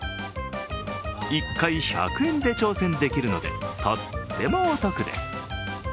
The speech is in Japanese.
１回１００円で挑戦できるのでとってもお得です。